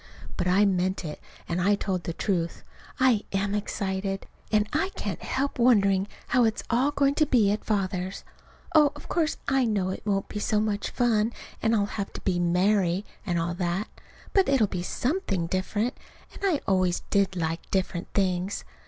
But I meant it, and I told the truth. I am excited. And I can't help wondering how it's all going to be at Father's. Oh, of course, I know it won't be so much fun, and I'll have to be "Mary," and all that; but it'll be something different, and I always did like different things.